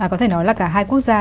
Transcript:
có thể nói là cả hai quốc gia